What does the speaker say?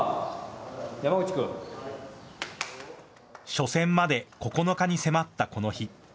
初戦まで９日に迫ったこの日。